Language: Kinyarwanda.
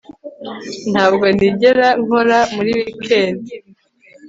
Ntabwo nigera nkora muri wikendi